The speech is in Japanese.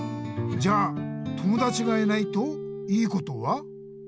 じゃあ友だちがいないといいことは？